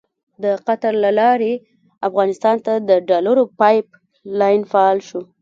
د قطر له لارې افغانستان ته د ډالرو پایپ لاین فعال شو.